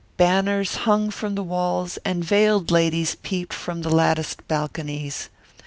Banners hung from the walls and veiled ladies peeped from the latticed balconies.